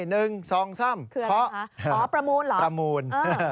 ๑๒๓เครื่องอ๋อประมูลเหรอประมูล